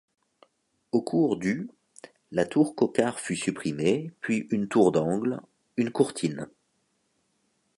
Au cours du la tour Cocquart fut supprimée, puis une tour d'angle, une courtine.